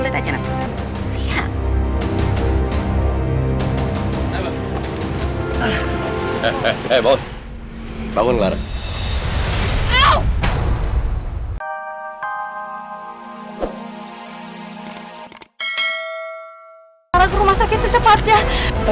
udah jangan mikirin aku ya